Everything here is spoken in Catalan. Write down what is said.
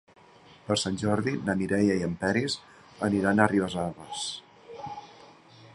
Per Sant Jordi na Mireia i en Peris aniran a Ribesalbes.